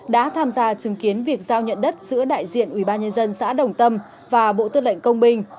đã tham gia chứng kiến việc giao nhận đất giữa đại diện ubnd xã đồng tâm và bộ tư lệnh công binh